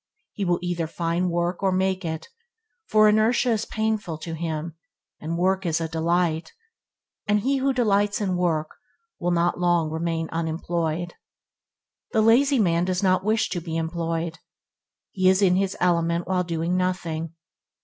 He will either find work or make it, for inertia is painful to him, and work is a delight; and he who delights in work will not long remain unemployed. The lazy man does not wish to be employed. He is in his element when doing nothing.